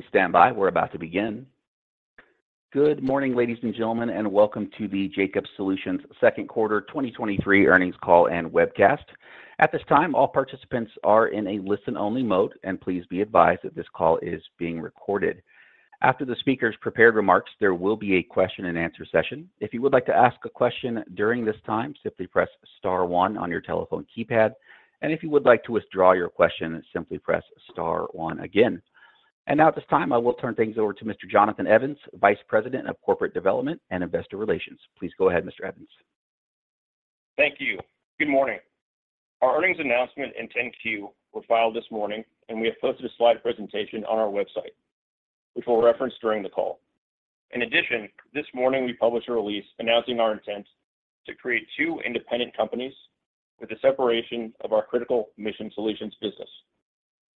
Please stand by. We're about to begin. Good morning, ladies and gentlemen, welcome to the Jacobs Solutions Second Quarter 2023 Earnings Call and Webcast. At this time, all participants are in a listen-only mode, and please be advised that this call is being recorded. After the speakers' prepared remarks, there will be a question-and-answer session. If you would like to ask a question during this time, simply press star one on your telephone keypad. If you would like to withdraw your question, simply press star one again. Now at this time, I will turn things over to Mr. Jonathan Evans, Vice President of Corporate Development and Investor Relations. Please go ahead, Mr. Evans. Thank you. Good morning. Our earnings announcement and 10-Q were filed this morning. We have posted a slide presentation on our website, which we'll reference during the call. In addition, this morning we published a release announcing our intent to create two independent companies with the separation of our Critical Mission Solutions business.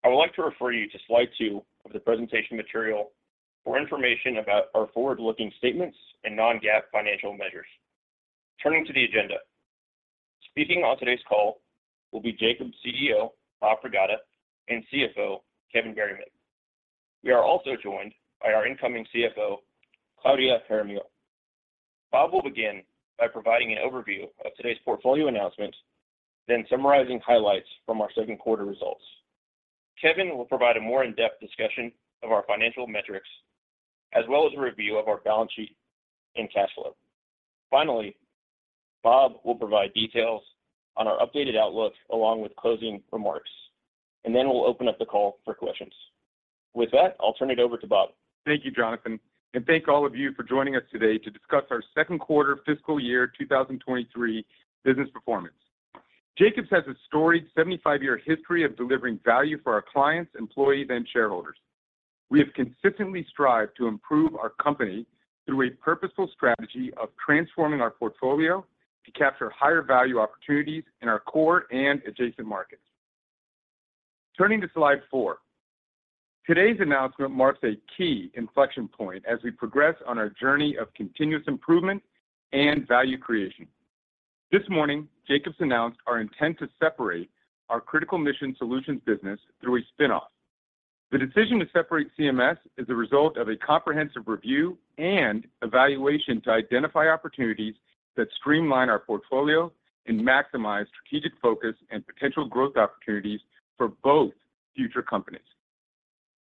I would like to refer you to slide two of the presentation material for information about our forward-looking statements and non-GAAP financial measures. Turning to the agenda. Speaking on today's call will be Jacobs CEO, Bob Pragada, and CFO, Kevin Berryman. We are also joined by our incoming CFO, Claudia Jaramillo. Bob will begin by providing an overview of today's portfolio announcement, then summarizing highlights from our second quarter results. Kevin will provide a more in-depth discussion of our financial metrics, as well as a review of our balance sheet and cash flow. Bob will provide details on our updated outlook along with closing remarks, and then we'll open up the call for questions. With that, I'll turn it over to Bob. Thank you, Jonathan, and thank all of you for joining us today to discuss our second quarter fiscal year 2023 business performance. Jacobs has a storied 75-year history of delivering value for our clients, employees and shareholders. We have consistently strived to improve our company through a purposeful strategy of transforming our portfolio to capture higher value opportunities in our core and adjacent markets. Turning to Slide 4. Today's announcement marks a key inflection point as we progress on our journey of continuous improvement and value creation. This morning, Jacobs announced our intent to separate our Critical Mission Solutions business through a spin-off. The decision to separate CMS is the result of a comprehensive review and evaluation to identify opportunities that streamline our portfolio and maximize strategic focus and potential growth opportunities for both future companies.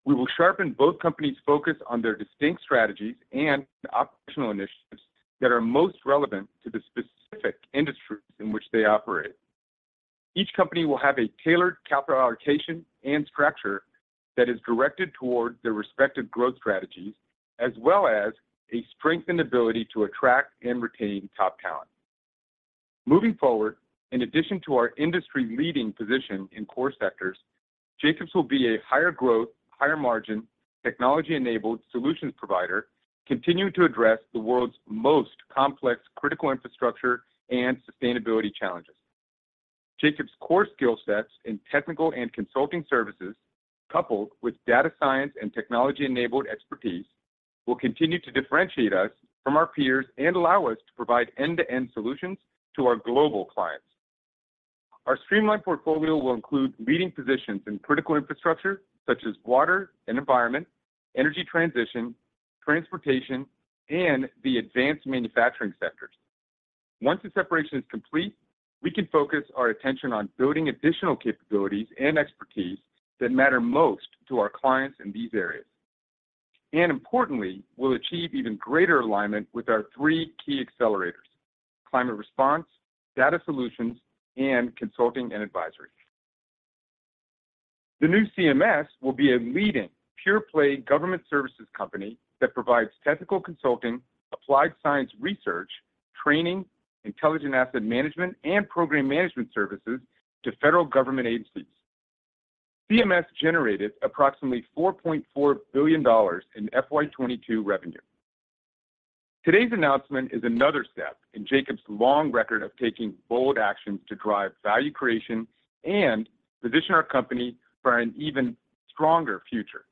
We will sharpen both companies' focus on their distinct strategies and operational initiatives that are most relevant to the specific industries in which they operate. Each company will have a tailored capital allocation and structure that is directed toward their respective growth strategies as well as a strengthened ability to attract and retain top talent. Moving forward, in addition to our industry-leading position in core sectors, Jacobs will be a higher growth, higher margin, technology-enabled solutions provider, continuing to address the world's most complex critical infrastructure and sustainability challenges. Jacobs' core skill sets in technical and consulting services, coupled with data science and technology-enabled expertise, will continue to differentiate us from our peers and allow us to provide end-to-end solutions to our global clients. Our streamlined portfolio will include leading positions in critical infrastructure such as water and environment, energy transition, transportation, and the advanced manufacturing sectors. Once the separation is complete, we can focus our attention on building additional capabilities and expertise that matter most to our clients in these areas. Importantly, we'll achieve even greater alignment with our three key accelerators: climate response, data solutions, and consulting and advisory. The new CMS will be a leading pure-play government services company that provides technical consulting, applied science research, training, intelligent asset management, and program management services to federal government agencies. CMS generated approximately $4.4 billion in FY 2022 revenue. Today's announcement is another step in Jacobs' long record of taking bold actions to drive value creation and position our company for an even stronger future.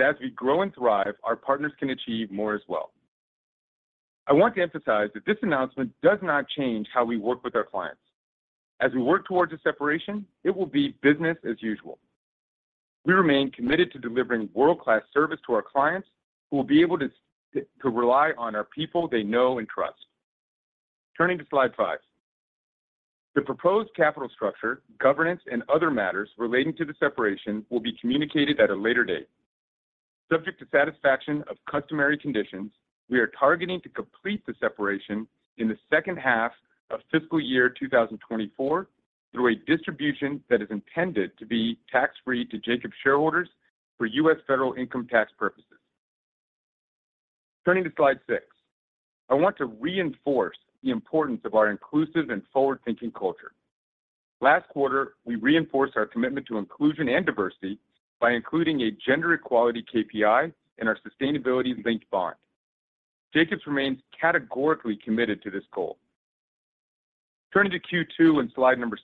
As we grow and thrive, our partners can achieve more as well. I want to emphasize that this announcement does not change how we work with our clients. As we work towards the separation, it will be business as usual. We remain committed to delivering world-class service to our clients, who will be able to rely on our people they know and trust. Turning to Slide 5. The proposed capital structure, governance, and other matters relating to the separation will be communicated at a later date. Subject to satisfaction of customary conditions, we are targeting to complete the separation in the second half of fiscal year 2024 through a distribution that is intended to be tax-free to Jacobs shareholders for U.S. federal income tax purposes. Turning to Slide 6. I want to reinforce the importance of our inclusive and forward-thinking culture. Last quarter, we reinforced our commitment to inclusion and diversity by including a gender equality KPI in our sustainability-linked bond. Jacobs remains categorically committed to this goal. Turning to Q2 and Slide 7.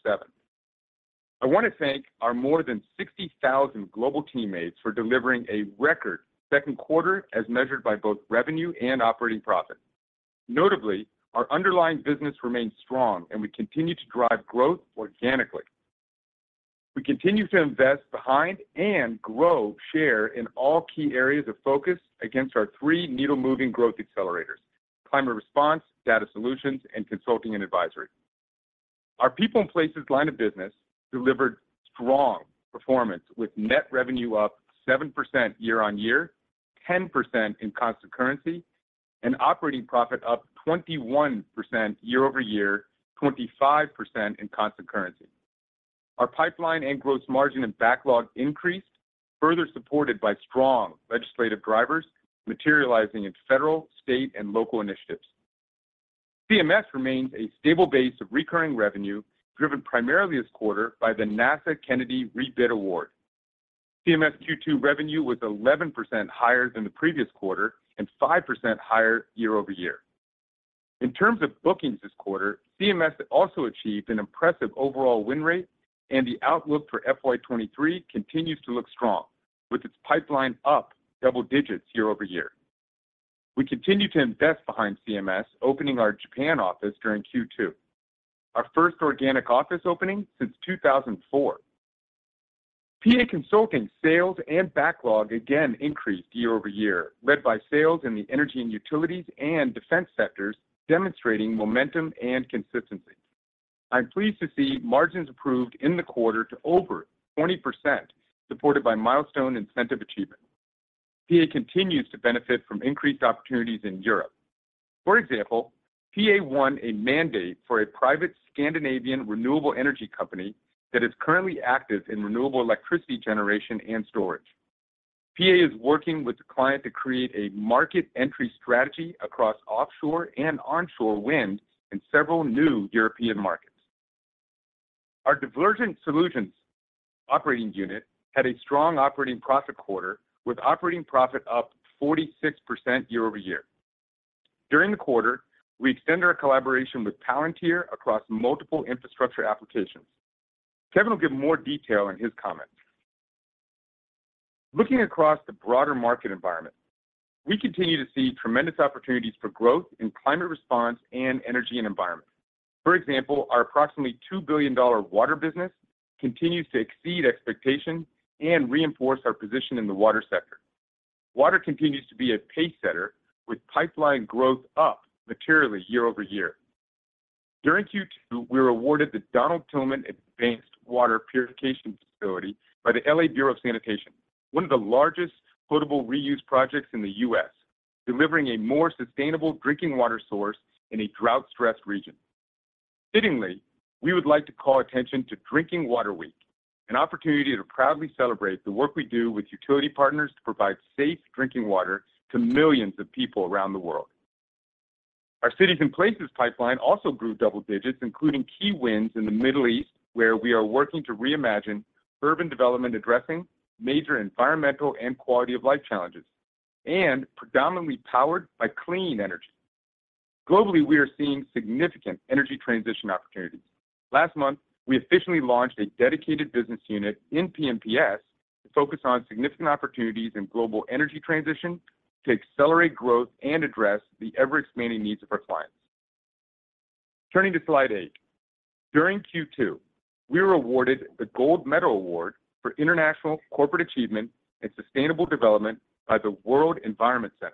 I want to thank our more than 60,000 global teammates for delivering a record second quarter as measured by both revenue and operating profit. Notably, our underlying business remains strong and we continue to drive growth organically. We continue to invest behind and grow share in all key areas of focus against our three needle-moving growth accelerators: climate response, data solutions, and consulting and advisory. Our People & Places line of business delivered strong performance with net revenue up 7% year-over-year, 10% in constant currency, and operating profit up 21% year-over-year, 25% in constant currency. Our pipeline and gross margin and backlog increased, further supported by strong legislative drivers materializing in federal, state, and local initiatives. CMS remains a stable base of recurring revenue, driven primarily this quarter by the NASA Kennedy rebid award. CMS Q2 revenue was 11% higher than the previous quarter and 5% higher year-over-year. In terms of bookings this quarter, CMS also achieved an impressive overall win rate and the outlook for FY 2023 continues to look strong with its pipeline up double digits year-over-year. We continue to invest behind CMS, opening our Japan office during Q2, our first organic office opening since 2004. PA Consulting sales and backlog again increased year-over-year, led by sales in the energy and utilities and defense sectors, demonstrating momentum and consistency. I'm pleased to see margins improved in the quarter to over 20%, supported by milestone incentive achievement. PA continues to benefit from increased opportunities in Europe. For example, PA won a mandate for a private Scandinavian renewable energy company that is currently active in renewable electricity generation and storage. PA is working with the client to create a market entry strategy across offshore and onshore wind in several new European markets. Our Divergent Solutions operating unit had a strong operating profit quarter with operating profit up 46% year-over-year. During the quarter, we extended our collaboration with Palantir across multiple infrastructure applications. Kevin will give more detail in his comments. Looking across the broader market environment, we continue to see tremendous opportunities for growth in climate response and energy and environment. For example, our approximately $2 billion water business continues to exceed expectations and reinforce our position in the water sector. Water continues to be a pace setter with pipeline growth up materially year-over-year. During Q2, we were awarded the Donald C. Tillman Advanced Water Purification Facility by the L.A. Bureau of Sanitation, one of the largest potable reuse projects in the U.S., delivering a more sustainable drinking water source in a drought-stressed region. Fittingly, we would like to call attention to Drinking Water Week, an opportunity to proudly celebrate the work we do with utility partners to provide safe drinking water to millions of people around the world. Our cities and places pipeline also grew double digits, including key wins in the Middle East, where we are working to reimagine urban development addressing major environmental and quality of life challenges and predominantly powered by clean energy. Globally, we are seeing significant energy transition opportunities. Last month, we officially launched a dedicated business unit in P&PS to focus on significant opportunities in global energy transition to accelerate growth and address the ever-expanding needs of our clients. Turning to Slide 8. During Q2, we were awarded the Gold Medal Award for International Corporate Achievement in Sustainable Development by the World Environment Center,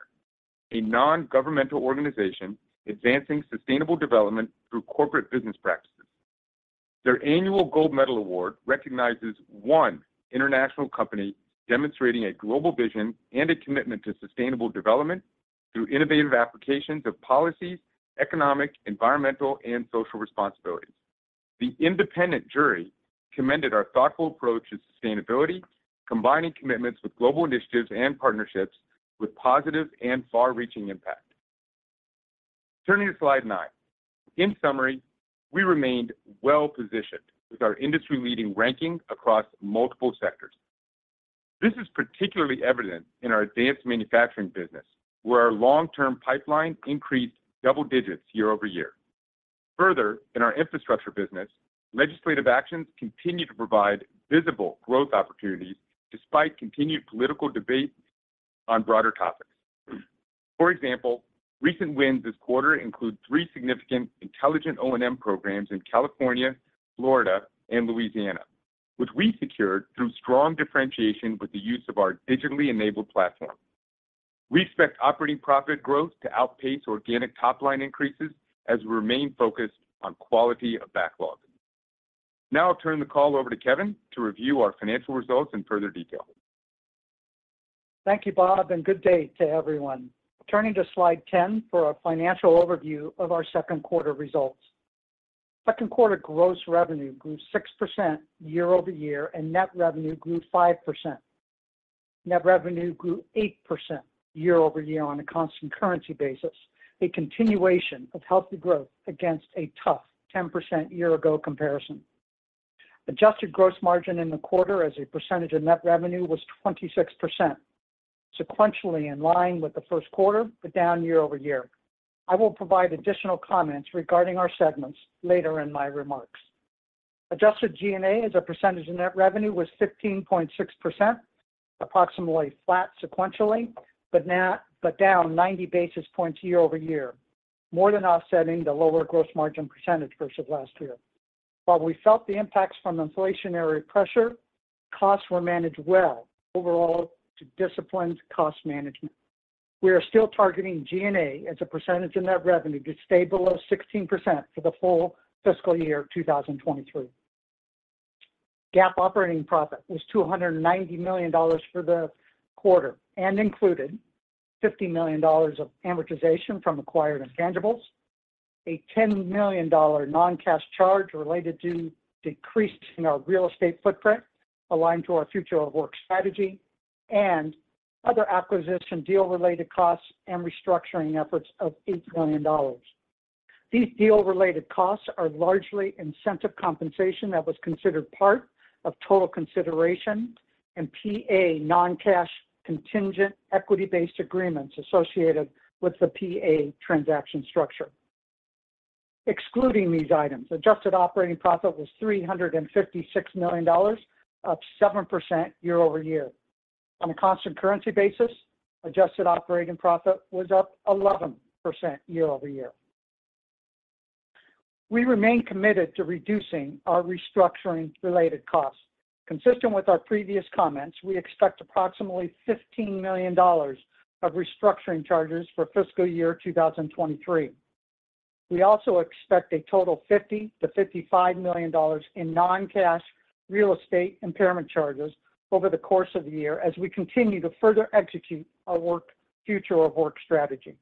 a non-governmental organization advancing sustainable development through corporate business practices. Their annual Gold Medal Award recognizes one international company demonstrating a global vision and a commitment to sustainable development through innovative applications of policies, economic, environmental, and social responsibilities. Turning to Slide 9. In summary, we remained well-positioned with our industry-leading ranking across multiple sectors. This is particularly evident in our advanced manufacturing business, where our long-term pipeline increased double digits year-over-year. In our infrastructure business, legislative actions continue to provide visible growth opportunities despite continued political debate on broader topics. For example, recent wins this quarter include three significant intelligent O&M programs in California, Florida, and Louisiana, which we secured through strong differentiation with the use of our digitally enabled platform. We expect operating profit growth to outpace organic top-line increases as we remain focused on quality of backlog. I'll turn the call over to Kevin to review our financial results in further detail. Thank you, Bob, and good day to everyone. Turning to Slide 10 for a financial overview of our second quarter results. Second quarter gross revenue grew 6% year-over-year, and net revenue grew 5%. Net revenue grew 8% year-over-year on a constant currency basis, a continuation of healthy growth against a tough 10% year-ago comparison. Adjusted gross margin in the quarter as a percentage of net revenue was 26%, sequentially in line with the first quarter, but down year-over-year. I will provide additional comments regarding our segments later in my remarks. Adjusted G&A as a percentage of net revenue was 15.6%, approximately flat sequentially, but down 90 basis points year-over-year, more than offsetting the lower gross margin percentage versus last year. While we felt the impacts from inflationary pressure, costs were managed well overall to disciplined cost management. We are still targeting G&A as a percentage of net revenue to stay below 16% for the full fiscal year 2023. GAAP operating profit was $290 million for the quarter and included $50 million of amortization from acquired intangibles, a $10 million non-cash charge related to decreasing our real estate footprint aligned to our future of work strategy, and other acquisition deal related costs and restructuring efforts of $8 million. These deal related costs are largely incentive compensation that was considered part of total consideration in PA non-cash contingent equity-based agreements associated with the PA transaction structure. Excluding these items, adjusted operating profit was $356 million, up 7% year-over-year. On a constant currency basis, adjusted operating profit was up 11% year-over-year. We remain committed to reducing our restructuring related costs. Consistent with our previous comments, we expect approximately $15 million of restructuring charges for fiscal year 2023. We also expect a total $50 million-$55 million in non-cash real estate impairment charges over the course of the year as we continue to further execute our work, future of work strategy.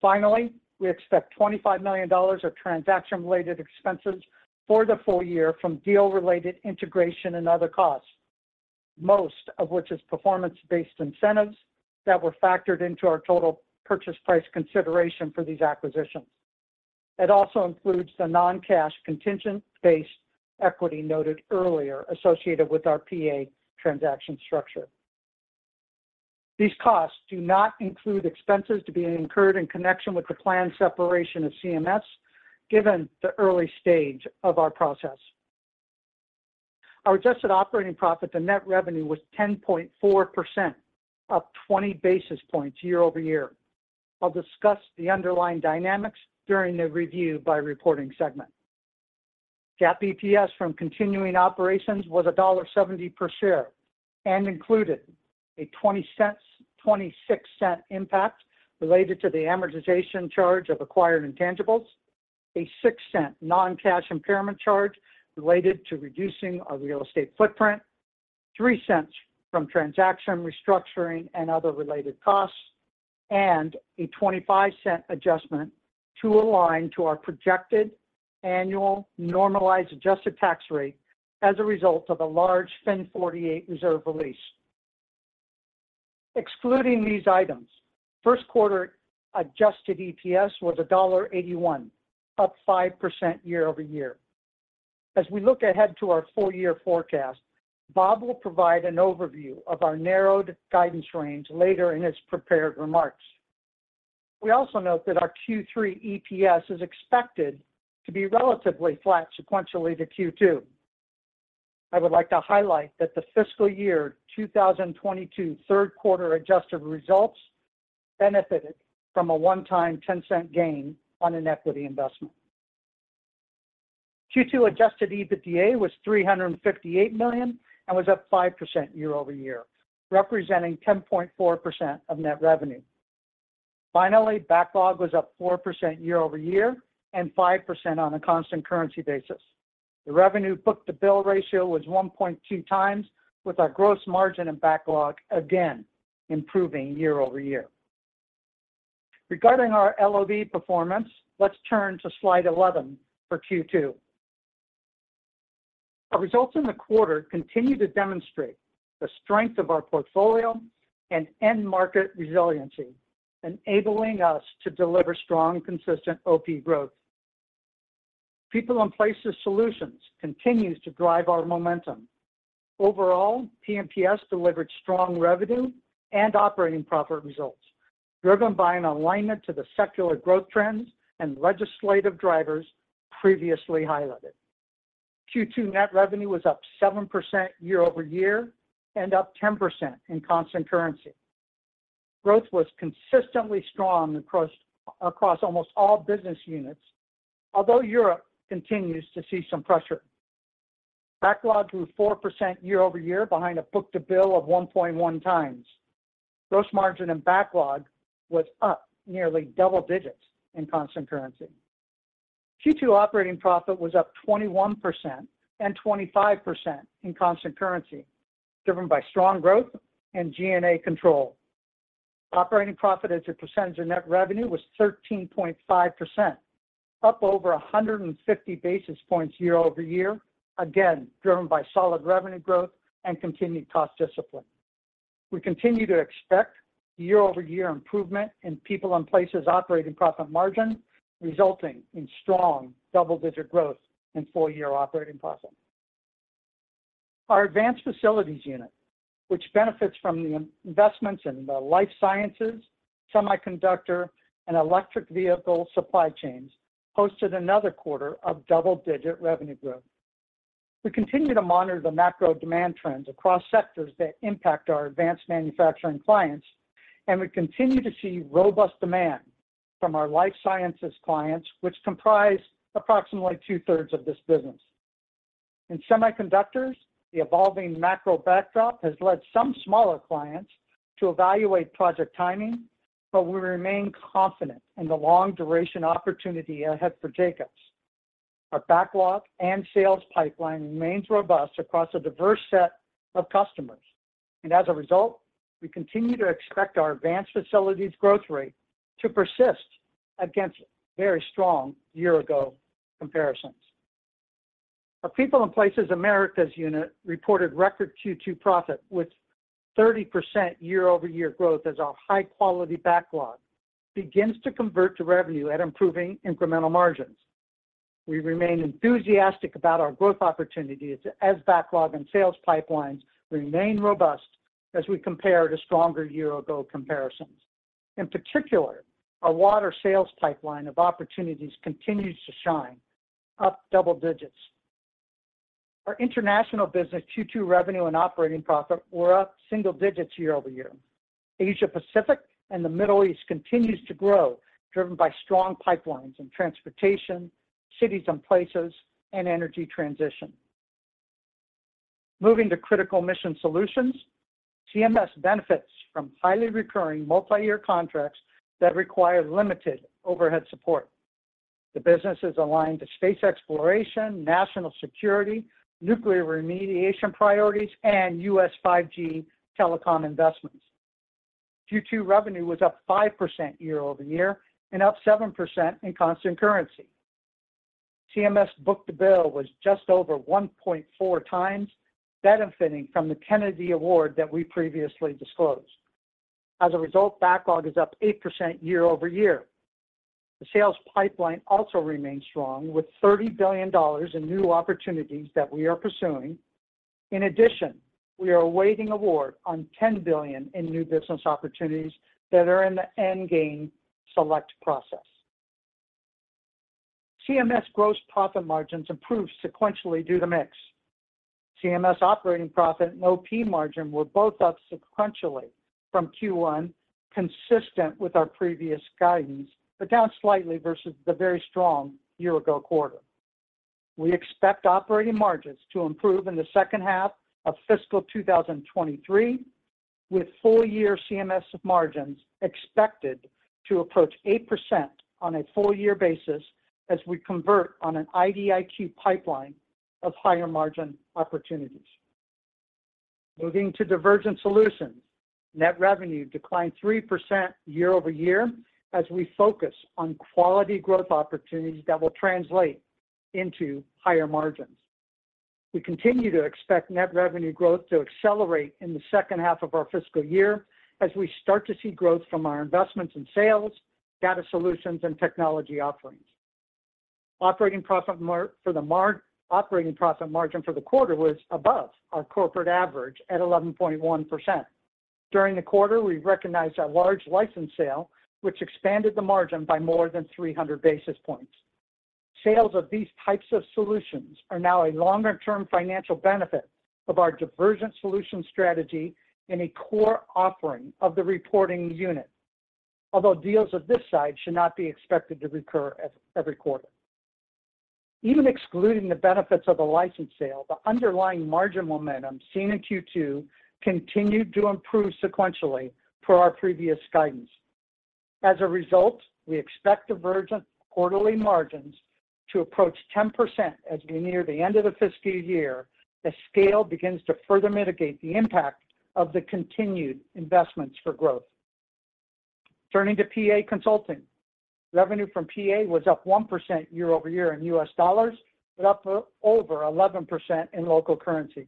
Finally, we expect $25 million of transaction related expenses for the full year from deal related integration and other costs, most of which is performance-based incentives that were factored into our total purchase price consideration for these acquisitions. It also includes the non-cash contingent-based equity noted earlier associated with our PA transaction structure. These costs do not include expenses to be incurred in connection with the planned separation of CMS, given the early stage of our process. Our adjusted operating profit to net revenue was 10.4%, up 20 basis points year-over-year. I'll discuss the underlying dynamics during the review by reporting segment. GAAP EPS from continuing operations was $1.70 per share and included a $0.26 impact related to the amortization charge of acquired intangibles, a $0.06 non-cash impairment charge related to reducing our real estate footprint, $0.03 from transaction restructuring and other related costs, and a $0.25 adjustment to align to our projected annual normalized adjusted tax rate as a result of a large FIN 48 reserve release. Excluding these items, first quarter Adjusted EPS was $1.81, up 5% year-over-year. We look ahead to our full year forecast, Bob will provide an overview of our narrowed guidance range later in his prepared remarks. We also note that our Q3 EPS is expected to be relatively flat sequentially to Q2. I would like to highlight that the fiscal year 2022 third quarter adjusted results benefited from a one-time $0.10 gain on an equity investment. Q2 Adjusted EBITDA was $358 million and was up 5% year-over-year, representing 10.4% of net revenue. Backlog was up 4% year-over-year and 5% on a constant currency basis. The revenue book-to-bill ratio was 1.2x with our gross margin and backlog again improving year-over-year. Regarding our LOB performance, let's turn to Slide 11 for Q2. Our results in the quarter continue to demonstrate the strength of our portfolio and end market resiliency, enabling us to deliver strong, consistent OP growth. People & Places Solutions continues to drive our momentum. Overall, P&PS delivered strong revenue and operating profit results, driven by an alignment to the secular growth trends and legislative drivers previously highlighted. Q2 net revenue was up 7% year-over-year and up 10% in constant currency. Growth was consistently strong across almost all business units, although Europe continues to see some pressure. Backlog grew 4% year-over-year behind a book-to-bill of 1.1 times. Gross margin and backlog was up nearly double digits in constant currency. Q2 operating profit was up 21% and 25% in constant currency, driven by strong growth and G&A control. Operating profit as a percentage of net revenue was 13.5%, up over 150 basis points year-over-year, again, driven by solid revenue growth and continued cost discipline. We continue to expect year-over-year improvement in People & Places operating profit margin, resulting in strong double-digit growth in full year operating profit. Our Advanced Facilities unit, which benefits from the investments in the life sciences, semiconductor, and electric vehicle supply chains, posted another quarter of double-digit revenue growth. We continue to monitor the macro demand trends across sectors that impact our advanced manufacturing clients, we continue to see robust demand from our life sciences clients, which comprise approximately two-thirds of this business. In semiconductors, the evolving macro backdrop has led some smaller clients to evaluate project timing, we remain confident in the long duration opportunity ahead for Jacobs. Our backlog and sales pipeline remains robust across a diverse set of customers. As a result, we continue to expect our Advanced Facilities growth rate to persist against very strong year-ago comparisons. Our People & Places Americas unit reported record Q2 profit with 30% year-over-year growth as our high-quality backlog begins to convert to revenue at improving incremental margins. We remain enthusiastic about our growth opportunities as backlog and sales pipelines remain robust as we compare to stronger year-ago comparisons. In particular, our water sales pipeline of opportunities continues to shine, up double digits. Our international business Q2 revenue and operating profit were up single digits year-over-year. Asia Pacific and the Middle East continues to grow, driven by strong pipelines in transportation, cities and places, and energy transition. Moving to Critical Mission Solutions. CMS benefits from highly recurring multi-year contracts that require limited overhead support. The business is aligned to space exploration, national security, nuclear remediation priorities, and U.S. 5G telecom investments. Q2 revenue was up 5% year-over-year and up 7% in constant currency. CMS book-to-bill was just over 1.4x benefiting from the Kennedy Award that we previously disclosed. Backlog is up 8% year-over-year. The sales pipeline also remains strong, with $30 billion in new opportunities that we are pursuing. In addition, we are awaiting award on $10 billion in new business opportunities that are in the End Game Select Process. CMS gross profit margins improved sequentially due to mix. CMS operating profit and OP margin were both up sequentially from Q1, consistent with our previous guidance, but down slightly versus the very strong year-ago quarter. We expect operating margins to improve in the second half of fiscal 2023, with full-year CMS margins expected to approach 8% on a full-year basis as we convert on an IDIQ pipeline of higher-margin opportunities. Moving to Divergent Solutions. Net revenue declined 3% year-over-year as we focus on quality growth opportunities that will translate into higher margins. We continue to expect net revenue growth to accelerate in the second half of our fiscal year as we start to see growth from our investments in sales, data solutions, and technology offerings. Operating profit margin for the quarter was above our corporate average at 11.1%. During the quarter, we recognized a large license sale which expanded the margin by more than 300 basis points. Sales of these types of solutions are now a longer-term financial benefit of our Divergent Solutions strategy and a core offering of the reporting unit. Although deals of this size should not be expected to recur every quarter. Even excluding the benefits of the license sale, the underlying margin momentum seen in Q2 continued to improve sequentially per our previous guidance. As a result, we expect Divergent quarterly margins to approach 10% as we near the end of the fiscal year as scale begins to further mitigate the impact of the continued investments for growth. Turning to PA Consulting. Revenue from PA was up 1% year-over-year in U.S. dollars, but up over 11% in local currency.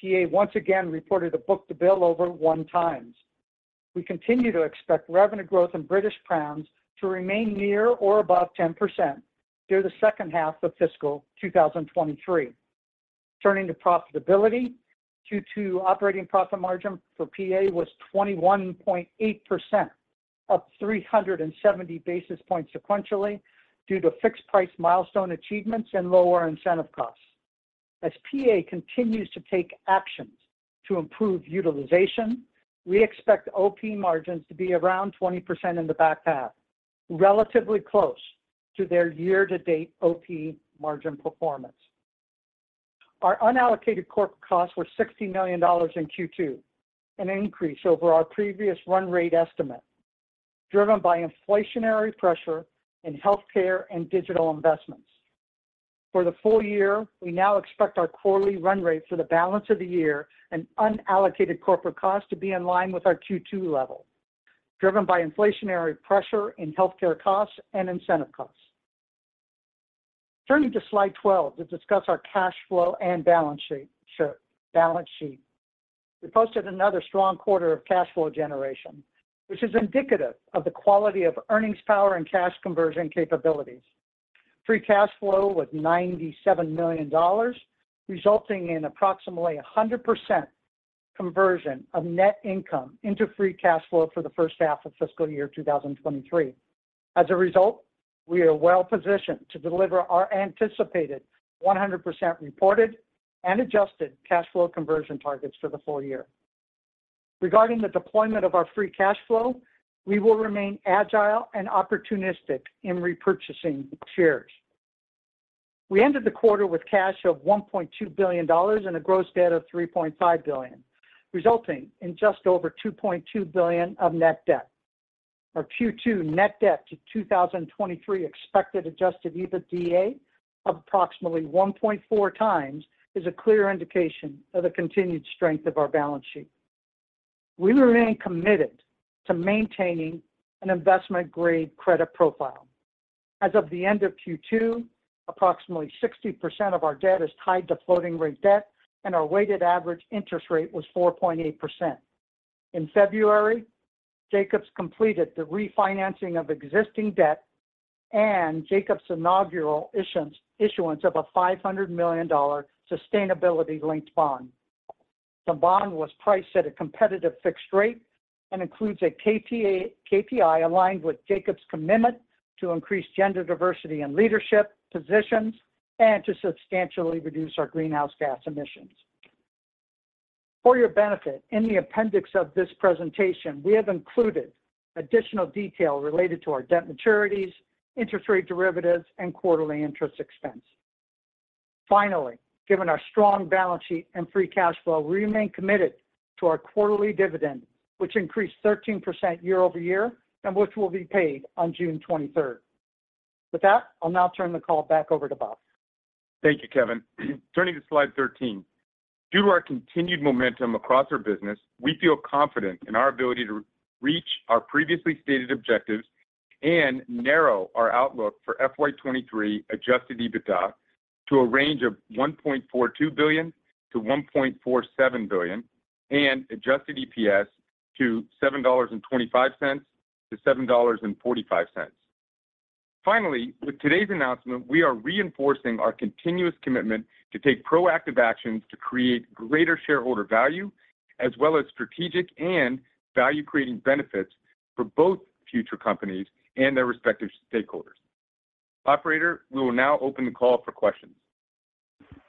PA once again reported a book-to-bill over 1 times. We continue to expect revenue growth in GBP to remain near or above 10% through the second half of fiscal 2023. Turning to profitability. Q2 operating profit margin for PA was 21.8%, up 370 basis points sequentially due to fixed-price milestone achievements and lower incentive costs. As PA continues to take actions to improve utilization, we expect OP margins to be around 20% in the back half, relatively close to their year-to-date OP margin performance. Our unallocated corporate costs were $60 million in Q2, an increase over our previous run rate estimate, driven by inflationary pressure in healthcare and digital investments. For the full year, we now expect our quarterly run rate for the balance of the year and unallocated corporate costs to be in line with our Q2 level, driven by inflationary pressure in healthcare costs and incentive costs. Turning to slide 12 to discuss our cash flow and balance sheet. We posted another strong quarter of cash flow generation, which is indicative of the quality of earnings power and cash conversion capabilities. Free cash flow was $97 million, resulting in approximately 100% conversion of net income into free cash flow for the first half of fiscal year 2023. We are well positioned to deliver our anticipated 100% reported and adjusted cash flow conversion targets for the full year. Regarding the deployment of our free cash flow, we will remain agile and opportunistic in repurchasing shares. We ended the quarter with cash of $1.2 billion and a gross debt of $3.5 billion, resulting in just over $2.2 billion of net debt. Our Q2 net debt to 2023 expected Adjusted EBITDA of approximately 1.4x is a clear indication of the continued strength of our balance sheet. We remain committed to maintaining an investment-grade credit profile. As of the end of Q2, approximately 60% of our debt is tied to floating rate debt, and our weighted average interest rate was 4.8%. In February, Jacobs completed the refinancing of existing debt and Jacobs' inaugural issuance of a $500 million sustainability-linked bond. The bond was priced at a competitive fixed rate and includes a KPI aligned with Jacobs' commitment to increase gender diversity in leadership positions and to substantially reduce our greenhouse gas emissions. For your benefit, in the appendix of this presentation, we have included additional detail related to our debt maturities, interest rate derivatives, and quarterly interest expense. Finally, given our strong balance sheet and free cash flow, we remain committed to our quarterly dividend, which increased 13% year-over-year and which will be paid on June 23rd. With that, I'll now turn the call back over to Bob. Thank you, Kevin. Turning to Slide 13. Due to our continued momentum across our business, we feel confident in our ability to reach our previously stated objectives and narrow our outlook for FY 2023 Adjusted EBITDA to a range of $1.42 billion-$1.47 billion and Adjusted EPS to $7.25-$7.45. With today's announcement, we are reinforcing our continuous commitment to take proactive actions to create greater shareholder value, as well as strategic and value-creating benefits for both future companies and their respective stakeholders. Operator, we will now open the call for questions.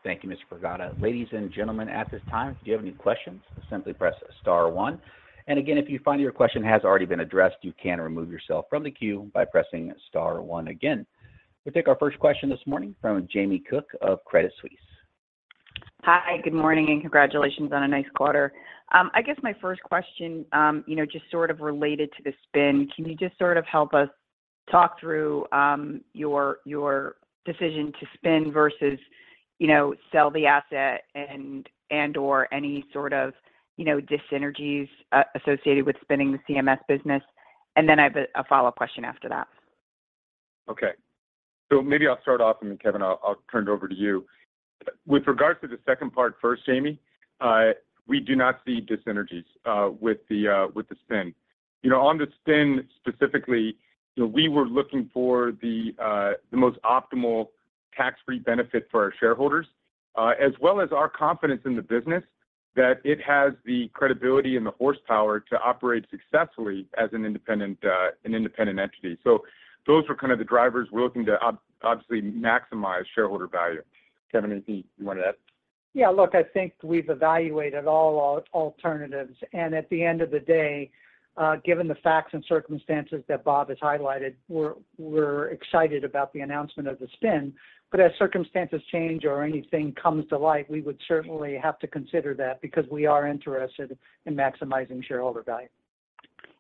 Thank you, Mr. Pragada. Ladies and gentlemen, at this time, if you have any questions, simply press star one. Again, if you find your question has already been addressed, you can remove yourself from the queue by pressing star one again. We'll take our first question this morning from Jamie Cook of Credit Suisse. Hi, good morning, and congratulations on a nice quarter. I guess my first question, you know, just sort of related to the spin. Can you just sort of help us talk through, your decision to spin versus, you know, sell the asset and/or any sort of, you know, dis-synergies associated with spinning the CMS business? And then I have a follow question after that. Okay. Maybe I'll start off and then Kevin, I'll turn it over to you. With regards to the second part first, Jamie, we do not see dis-synergies with the spin. You know, on the spin specifically, you know, we were looking for the most optimal tax-free benefit for our shareholders, as well as our confidence in the business that it has the credibility and the horsepower to operate successfully as an independent, an independent entity. Those were kind of the drivers. We're looking to obviously maximize shareholder value. Kevin, anything you wanted to add? Yeah, look, I think we've evaluated all alternatives. At the end of the day, given the facts and circumstances that Bob has highlighted, we're excited about the announcement of the spin. As circumstances change or anything comes to light, we would certainly have to consider that because we are interested in maximizing shareholder value.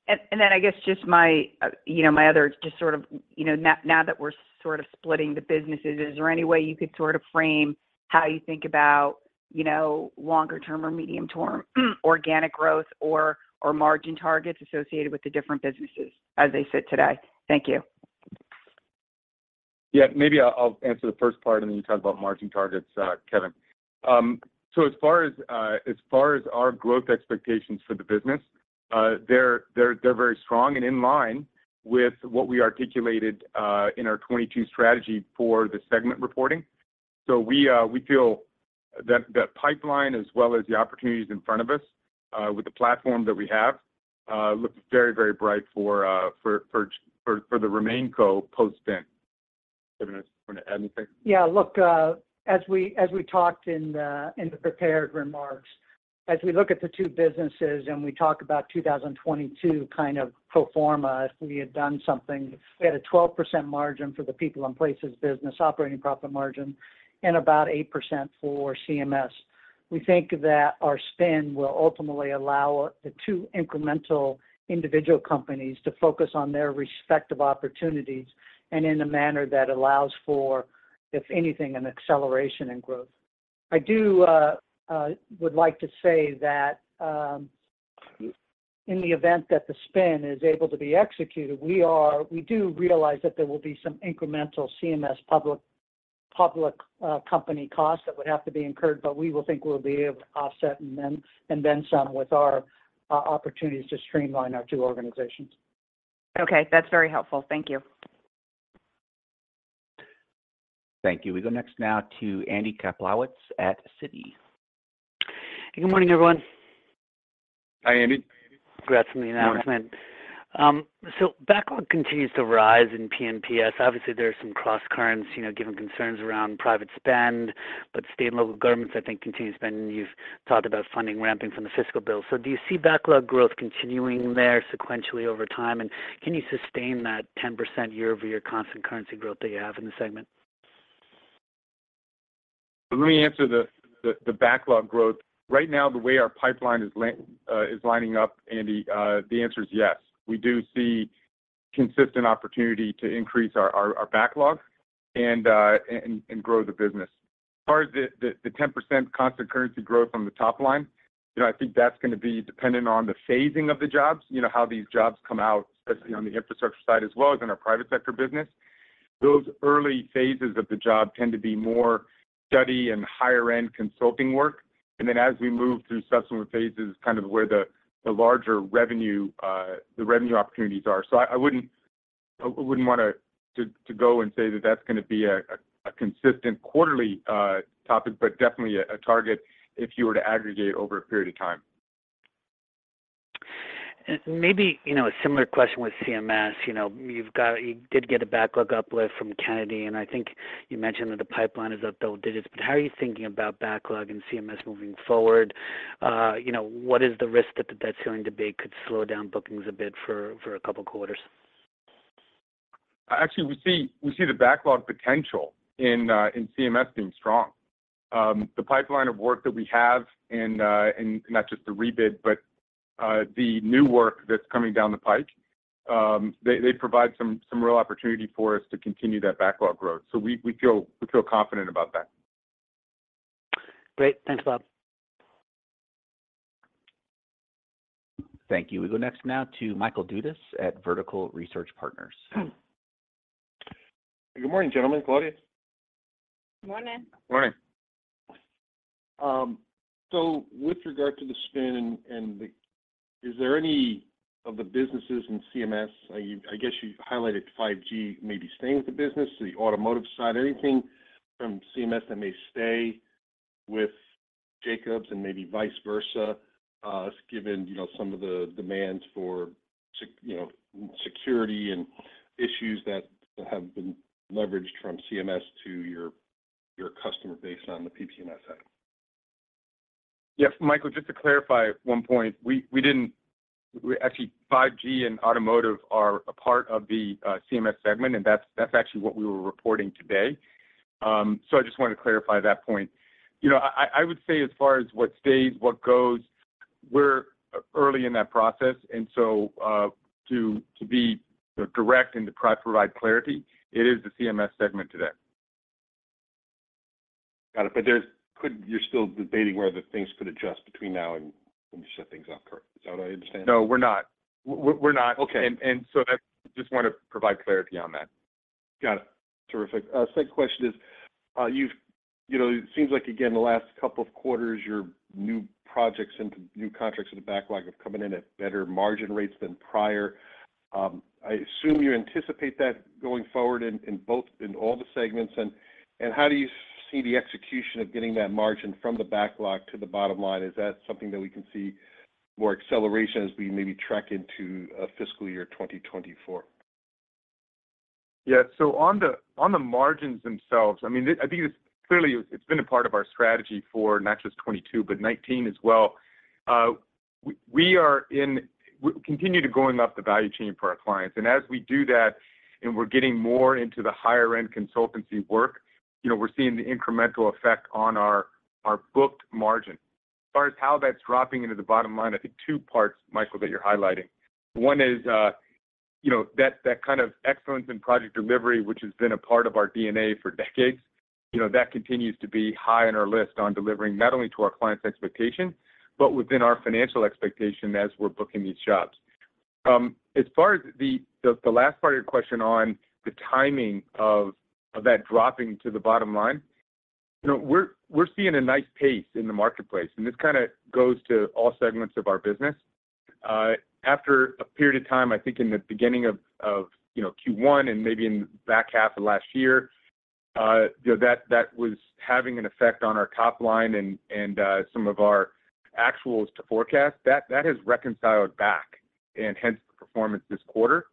Then I guess just my, you know, my other just sort of, you know, now that we're sort of splitting the businesses, is there any way you could sort of frame how you think about, you know, longer-term or medium-term organic growth or margin targets associated with the different businesses as they sit today? Thank you. Yeah. Maybe I'll answer the first part, then you talk about margin targets, Kevin. As far as far as our growth expectations for the business, they're very strong and in line with what we articulated, in our 22 strategy for the segment reporting. We feel that the pipeline as well as the opportunities in front of us, with the platform that we have, looks very, very bright for the RemainCo post-spin. Kevin, you want to add anything? Yeah. Look, as we talked in the, in the prepared remarks, as we look at the two businesses and we talk about 2022 kind of pro forma, if we had done something, we had a 12% margin for the People & Places Solutions business operating profit margin and about 8% for CMS. We think that our spin will ultimately allow the two incremental individual companies to focus on their respective opportunities and in a manner that allows for, if anything, an acceleration in growth. I do would like to say that in the event that the spin is able to be executed, we do realize that there will be some incremental CMS public Public company costs that would have to be incurred, but we will think we'll be able to offset and then, and then some with our opportunities to streamline our two organizations. Okay. That's very helpful. Thank you. Thank you. We go next now to Andy Kaplowitz at Citi. Good morning, everyone. Hi, Andy. Congrats on the announcement. Backlog continues to rise in PNPS. Obviously, there are some crosscurrents, you know, given concerns around private spend. State and local governments, I think, continue to spend, and you've talked about funding ramping from the fiscal bill. Do you see backlog growth continuing there sequentially over time, and can you sustain that 10% year-over-year constant currency growth that you have in the segment? Let me answer the backlog growth. Right now, the way our pipeline is lining up, Andy, the answer is yes. We do see consistent opportunity to increase our backlog and grow the business. As far as the 10% constant currency growth on the top line, you know, I think that's gonna be dependent on the phasing of the jobs, you know, how these jobs come out, especially on the infrastructure side as well as in our private sector business. Those early phases of the job tend to be more study and higher-end consulting work. As we move through subsequent phases, kind of where the larger revenue, the revenue opportunities are. I wouldn't wanna to go and say that that's gonna be a consistent quarterly topic, but definitely a target if you were to aggregate over a period of time. Maybe, you know, a similar question with CMS. You know, you did get a backlog uplift from Kennedy, and I think you mentioned that the pipeline is up double digits, but how are you thinking about backlog and CMS moving forward? You know, what is the risk that the debt ceiling debate could slow down bookings a bit for a couple quarters? Actually, we see the backlog potential in in CMS being strong. The pipeline of work that we have, and not just the rebid, but the new work that's coming down the pike, they provide some real opportunity for us to continue that backlog growth. We feel confident about that. Great. Thanks, Bob. Thank you. We go next now to Michael Dudas at Vertical Research Partners. Good morning, gentlemen. Claudia. Morning. Morning. With regard to the spin and the, is there any of the businesses in CMS, I guess you've highlighted 5G maybe staying with the business, the automotive side, anything from CMS that may stay with Jacobs and maybe vice versa, given, you know, some of the demands for, you know, security and issues that have been leveraged from CMS to your customer base on the P&PS side? Yes. Michael, just to clarify one point. Actually, 5G and automotive are a part of the CMS segment, and that's actually what we were reporting today. I just wanted to clarify that point. You know, I would say as far as what stays, what goes, we're early in that process. to be, you know, direct and to provide clarity, it is the CMS segment today. Got it. Could you still debating whether things could adjust between now and when you shut things off, correct? Is that what I understand? No, we're not. We're not. Okay. I just wanna provide clarity on that. Got it. Terrific. Second question is, You know, it seems like, again, the last couple of quarters, your new projects and new contracts in the backlog have coming in at better margin rates than prior. I assume you anticipate that going forward in both, in all the segments. How do you see the execution of getting that margin from the backlog to the bottom line? Is that something that we can see more acceleration as we maybe track into fiscal year 2024? On the, on the margins themselves, I mean, I think it's clearly, it's been a part of our strategy for not just 2022 but 2019 as well. We continue to going up the value chain for our clients. As we do that, and we're getting more into the higher end consultancy work, you know, we're seeing the incremental effect on our booked margin. As far as how that's dropping into the bottom line, I think two parts, Michael, that you're highlighting. One is, you know, that kind of excellence in project delivery, which has been a part of our DNA for decades. You know, that continues to be high on our list on delivering not only to our clients' expectation, but within our financial expectation as we're booking these jobs. As far as the last part of your question on the timing of that dropping to the bottom line, you know, we're seeing a nice pace in the marketplace, and this kinda goes to all segments of our business. After a period of time, I think in the beginning of, you know, Q1 and maybe in the back half of last year, you know, that was having an effect on our top line and, some of our actuals to forecast. That has reconciled back and hence the performance this quarter.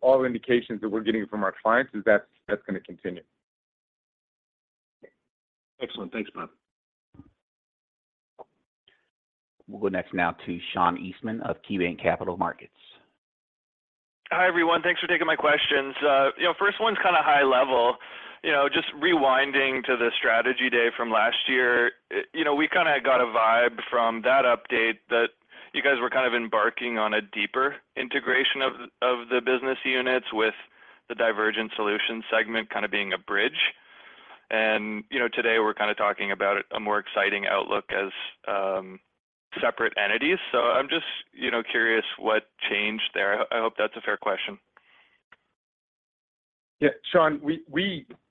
All the indications that we're getting from our clients is that's gonna continue. Excellent. Thanks, Bob. We'll go next now to Sean Eastman of KeyBanc Capital Markets. Hi, everyone. Thanks for taking my questions. You know, first one's kinda high level. You know, just rewinding to the strategy day from last year, you know, we kinda got a vibe from that update that you guys were kind of embarking on a deeper integration of the business units with the Divergent Solutions segment kinda being a bridge. You know, today we're kinda talking about a more exciting outlook as separate entities. I'm just, you know, curious what changed there. I hope that's a fair question. Yeah, Sean, we,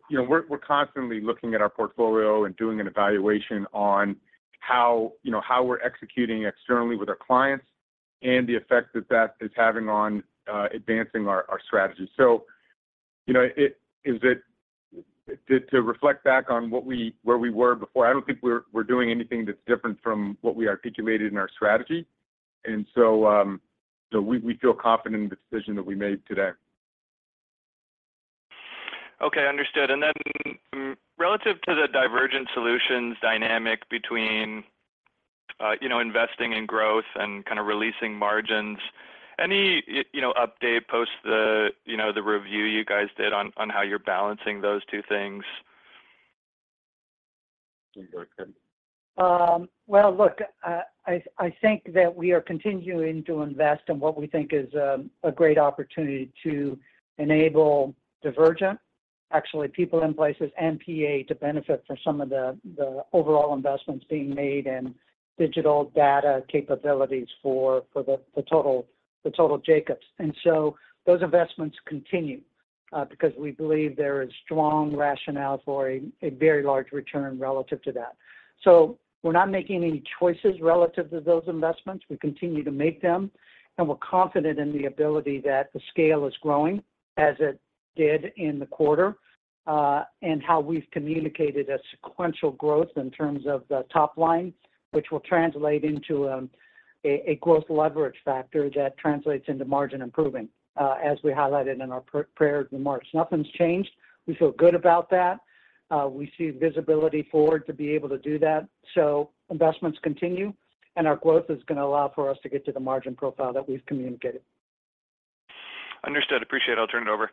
you know, we're constantly looking at our portfolio and doing an evaluation on how, you know, how we're executing externally with our clients and the effect that that is having on advancing our strategy. You know, to reflect back on where we were before, I don't think we're doing anything that's different from what we articulated in our strategy. We feel confident in the decision that we made today. Okay. Understood. Relative to the Divergent Solutions dynamic between, you know, investing in growth and kind of releasing margins, any, you know, update post the, you know, the review you guys did on how you're balancing those two things? You go ahead, Kevin. I think that we are continuing to invest in what we think is a great opportunity to enable Divergent Solutions, actually People & Places Solutions and PA Consulting to benefit from some of the overall investments being made in digital data capabilities for the total Jacobs. Those investments continue because we believe there is strong rationale for a very large return relative to that. We're not making any choices relative to those investments. We continue to make them, and we're confident in the ability that the scale is growing as it did in the quarter and how we've communicated a sequential growth in terms of the top line, which will translate into a growth leverage factor that translates into margin improving as we highlighted in our prior remarks. Nothing's changed. We feel good about that. We see visibility forward to be able to do that. Investments continue, and our growth is gonna allow for us to get to the margin profile that we've communicated. Understood. Appreciate it. I'll turn it over.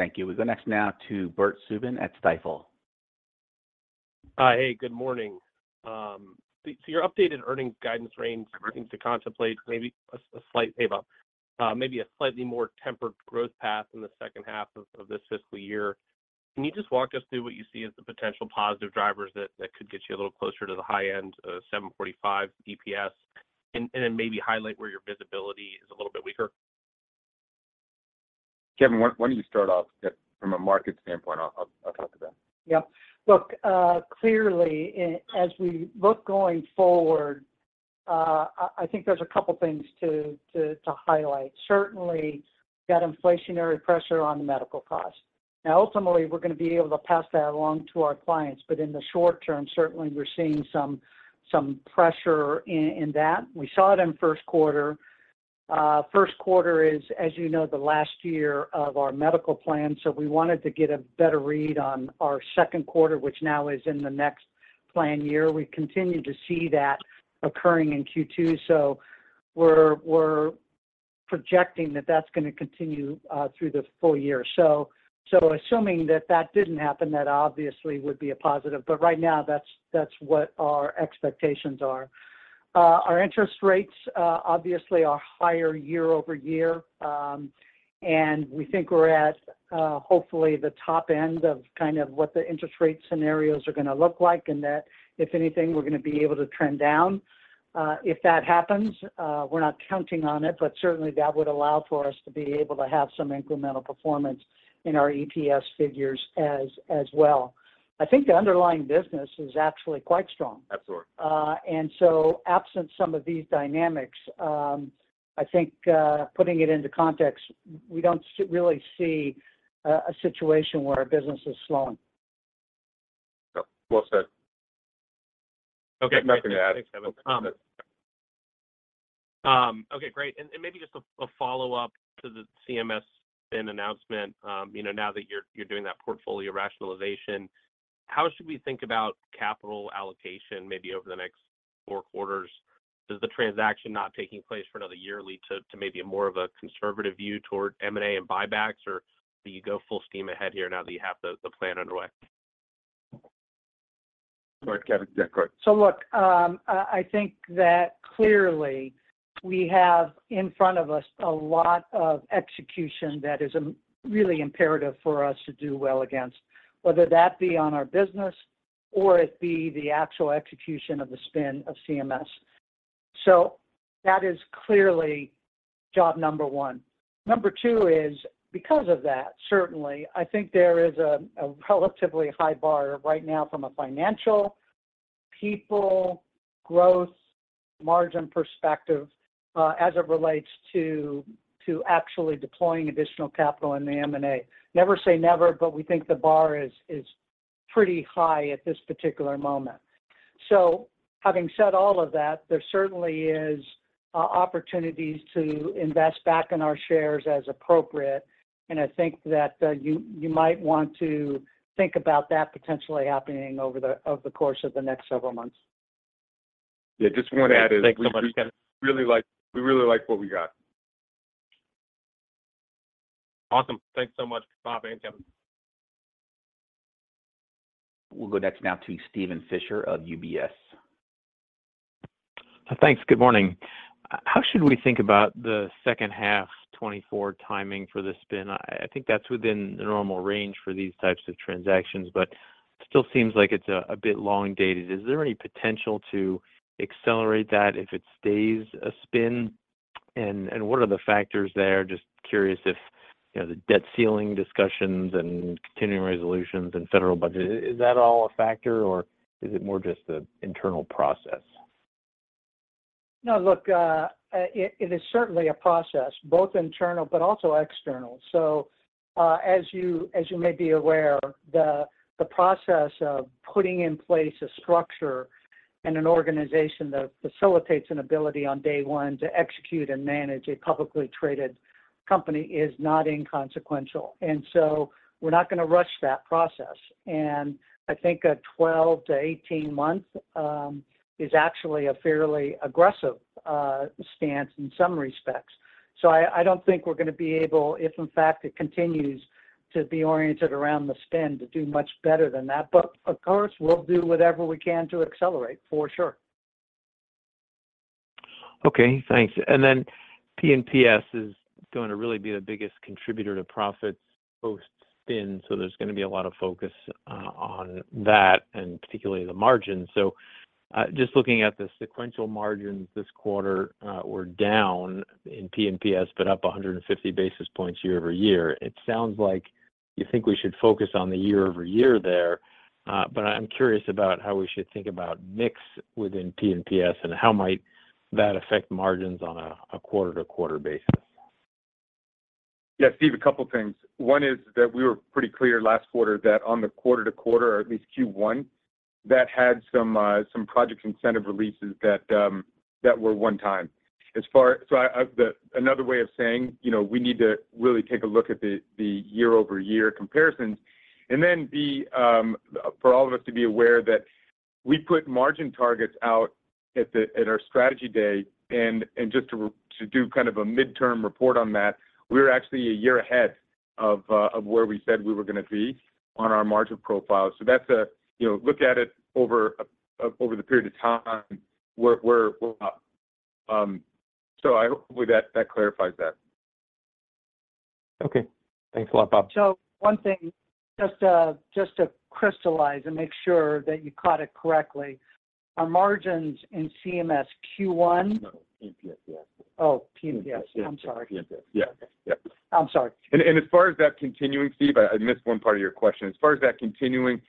Thank you. We go next now to Bert Subin at Stifel. Hey, good morning. Your updated earnings guidance range seems to contemplate maybe a slight taper, maybe a slightly more tempered growth path in the second half of this fiscal year. Can you just walk us through what you see as the potential positive drivers that could get you a little closer to the high end of $7.45 EPS, and then maybe highlight where your visibility is a little bit weaker? Kevin, why don't you start off from a market standpoint? I'll talk to that. Yeah. Look, clearly, as we look going forward, I think there's a couple things to highlight. Certainly, we've got inflationary pressure on the medical costs. Now, ultimately, we're gonna be able to pass that along to our clients, but in the short term, certainly we're seeing some pressure in that. We saw it in first quarter. First quarter is, as you know, the last year of our medical plan, so we wanted to get a better read on our second quarter, which now is in the next plan year. We continue to see that occurring in Q2, so we're projecting that that's gonna continue through the full year. Assuming that that didn't happen, that obviously would be a positive. Right now, that's what our expectations are. Our interest rates obviously are higher year-over-year. We think we're at hopefully the top end of kind of what the interest rate scenarios are gonna look like. If anything, we're gonna be able to trend down if that happens. We're not counting on it. Certainly that would allow for us to be able to have some incremental performance in our EPS figures as well. I think the underlying business is actually quite strong. Absolutely. Absent some of these dynamics, I think, putting it into context, we don't really see a situation where our business is slowing. No. Well said. Okay. Nothing to add. Thanks, Kevin. Okay. Great. Maybe just a follow-up to the CMS spin announcement. You know, now that you're doing that portfolio rationalization, how should we think about capital allocation maybe over the next four quarters? Does the transaction not taking place for another year lead to maybe a more of a conservative view toward M&A and buybacks, or do you go full steam ahead here now that you have the plan underway? Go ahead, Kevin. Yeah, go ahead. Look, I think that clearly we have in front of us a lot of execution that is really imperative for us to do well against, whether that be on our business or it be the actual execution of the spin of CMS. That is clearly job number one. Number two is because of that, certainly, I think there is a relatively high bar right now from a financial, people, growth, margin perspective, as it relates to actually deploying additional capital in the M&A. Never say never, but we think the bar is pretty high at this particular moment. Having said all of that, there certainly is opportunities to invest back in our shares as appropriate, and I think that, you might want to think about that potentially happening over the course of the next several months. Yeah, just want to add. Thanks so much, Kevin. we really like what we got. Awesome. Thanks so much, Bob and Kevin. We'll go next now to Steven Fisher of UBS. Thanks. Good morning. How should we think about the second half 2024 timing for the spin? I think that's within the normal range for these types of transactions, but still seems like it's a bit long dated. Is there any potential to accelerate that if it stays a spin? What are the factors there? Just curious if, you know, the debt ceiling discussions and continuing resolutions and federal budget, is that all a factor, or is it more just the internal process? Look, it is certainly a process, both internal but also external. As you may be aware, the process of putting in place a structure and an organization that facilitates an ability on day one to execute and manage a publicly traded company is not inconsequential. We're not gonna rush that process. I think a 12 to 18 month is actually a fairly aggressive stance in some respects. I don't think we're gonna be able, if in fact it continues to be oriented around the spin, to do much better than that. Of course, we'll do whatever we can to accelerate, for sure. Okay, thanks. PNPS is going to really be the biggest contributor to profits post-spin, there's going to be a lot of focus on that, and particularly the margin. Just looking at the sequential margins this quarter, were down in PNPS, but up 150 basis points year-over-year. It sounds like you think we should focus on the year-over-year there, but I'm curious about how we should think about mix within PNPS and how might that affect margins on a quarter-to-quarter basis. Yeah, Steve, a couple things. One is that we were pretty clear last quarter that on the quarter-to-quarter, or at least Q1, that had some project incentive releases that were one-time. Another way of saying, you know, we need to really take a look at the year-over-year comparisons, and then be for all of us to be aware that we put margin targets out at our strategy day. Just to do kind of a midterm report on that, we're actually a year ahead of where we said we were gonna be on our margin profile. That's a, you know, look at it over a period of time, we're up. Hopefully that clarifies that. Okay. Thanks a lot, Bob. One thing, just to crystallize and make sure that you caught it correctly, our margins in CMS Q1. No, PNPS. Yeah. Oh, PNPS. I'm sorry. PNPS. Yeah. Yeah. I'm sorry. As far as that continuing, Steve, I missed one part of your question. As far as that continuing,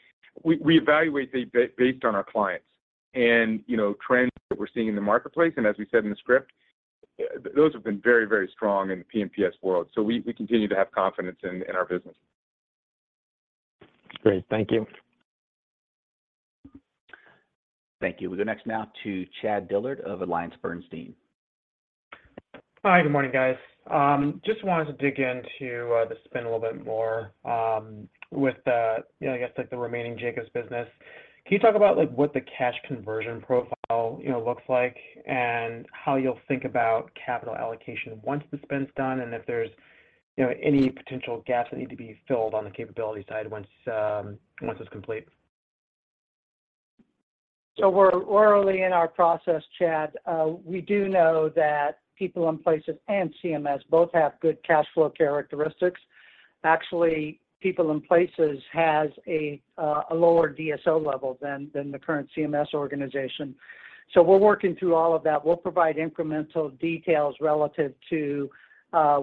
we evaluate based on our clients and, you know, trends that we're seeing in the marketplace. As we said in the script, those have been very, very strong in the PNPS world. We continue to have confidence in our business. Great. Thank you. Thank you. We'll go next now to Chad Dillard of AllianceBernstein. Hi. Good morning, guys. Just wanted to dig into the spin a little bit more, with the, you know, I guess, like, the remaining Jacobs business. Can you talk about, like, what the cash conversion profile, you know, looks like, and how you'll think about capital allocation once the spin's done and if there's, you know, any potential gaps that need to be filled on the capability side once it's complete? We're early in our process, Chad. We do know that People & Places Solutions and Critical Mission Solutions both have good cash flow characteristics. Actually, People & Places Solutions has a lower DSO level than the current Critical Mission Solutions organization. We're working through all of that. We'll provide incremental details relative to